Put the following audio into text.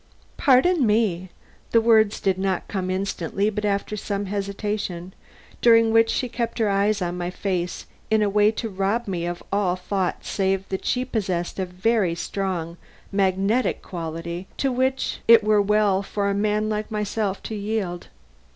"Pardon me!" The words did not come instantly, but after some hesitation, during which she kept her eyes on my face in a way to rob me of all thought save that she possessed a very strong magnetic quality, to which it were well for a man like myself to yield.